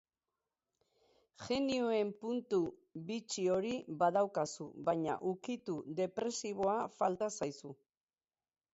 Jenioen puntu bitxi hori badaukazu, baina ukitu depresiboa falta zaizu.